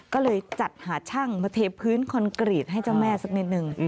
ก็เลยจัดหาช่างมาเทพื้นคอนกรีตให้เจ้าแม่สักนิดนึง